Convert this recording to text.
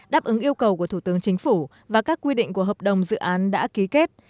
đáp ứng yêu cầu của thủ tướng chính phủ và các quy định của hợp đồng dự án đã ký kết